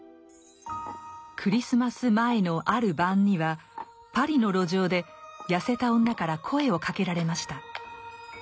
クリスマス前のある晩にはパリの路上で痩せた女から声をかけられました。